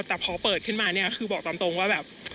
แต่พอเปิดขึ้นมาเนี่ยคือบอกตรงว่าแบบ